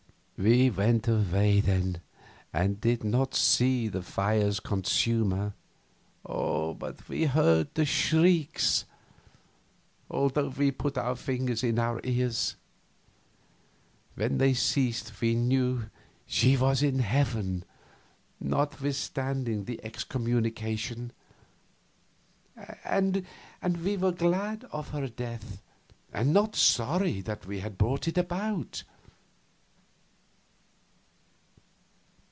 We went away then, and did not see the fires consume her, but we heard the shrieks, although we put our fingers in our ears. When they ceased we knew she was in heaven, notwithstanding the excommunication; and we were glad of her death and not sorry that we had brought it about.